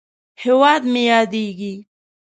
هیواد مې ياديږي